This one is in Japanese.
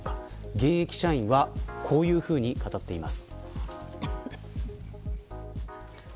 現役社員はこのように語っています。